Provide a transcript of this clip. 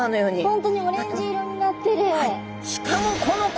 本当にオレンジ色になってる。